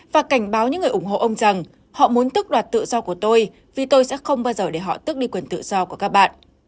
và cảnh báo những người ủng hộ ông rằng họ muốn tức đoạt tự do của tôi vì tôi sẽ không bao giờ để họ tức đi quyền tự do của các bạn